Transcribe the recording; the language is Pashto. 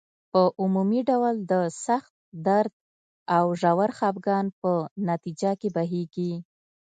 په عمومي ډول د سخت درد او ژور خپګان په نتیجه کې بهیږي.